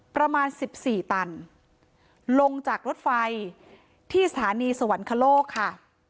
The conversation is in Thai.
ประมาณสิบสี่ตันลงจากรถไฟที่สถานีสวรรคโลกค่ะ